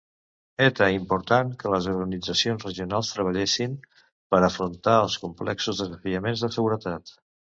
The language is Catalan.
Eta important que les organitzacions regionals treballessin per afrontar els complexos desafiaments de seguretat.